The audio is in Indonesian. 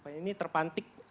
upaya ini terpantik